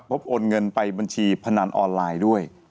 โอนเงินไปบัญชีพนันออนไลน์ด้วย